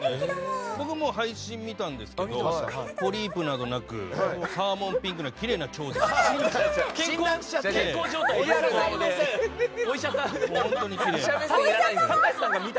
僕、配信見たんですけどポリープなどもなくサーモンピンクのきれいな腸でした。